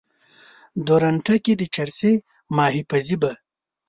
درونټه کې د چرسي ماهي پزي به